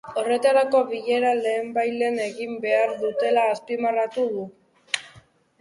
Horretarako bilera lehenbailehen egin behar dutela azpimarratu du.